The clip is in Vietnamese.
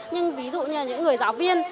nhưng ví dụ như những người giáo viên